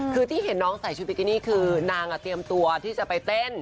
คือที่เห็นน้องใส่ชุดบิกินี่คือนางเตรียมตัวที่จะไปเต้น